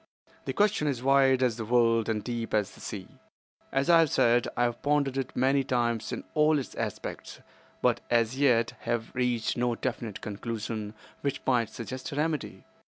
The question is wide as the world and deep as the sea. As I have said, I have pondered it many times in all its aspects, but as yet have reached no definite conclusion which might suggest a remedy.